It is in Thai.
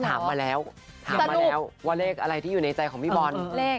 ถามมาแล้วว่าเลขอะไรที่อยู่ในใจของมาล